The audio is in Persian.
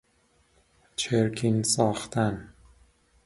چرکین ساختن